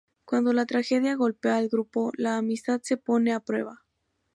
Cuando la tragedia golpea al grupo, la amistad se pone a prueba.